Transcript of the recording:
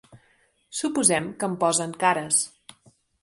Suposem que em posen cares.